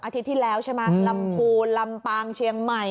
อาทิตย์ที่แล้วใช่ไหมลำพูนลำปางเชียงใหม่